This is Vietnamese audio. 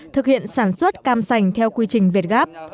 thực hiện sản xuất cam sành theo quy trình việt gáp